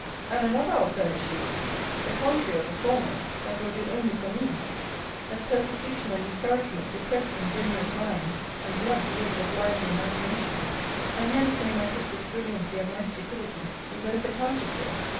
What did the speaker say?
And another I'll furnish you with, the contrary of the former, that will do only for me: That persecution and discouragement depress ingenuous minds, and blunt the edge of lively imaginations. And hence may my sister's brilliancy and my stupidity be both accounted for.